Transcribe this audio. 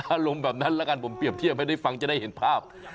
อารมณ์แบบนั้นแล้วกันผมเปรียบเทียบให้ได้ฟังจะได้เห็นภาพ